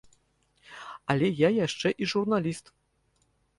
Але я яшчэ і журналіст.